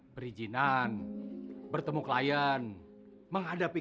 biar mereka tahu diri